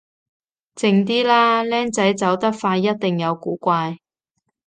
靜啲啦，僆仔走得快一定有古怪